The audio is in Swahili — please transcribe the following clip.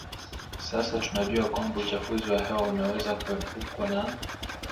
sasa tunajua kwamba uchafuzi wa hewa unaweza kuepukwa na